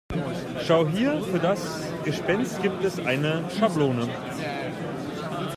Schau hier, für das Gespenst gibt es eine Schablone.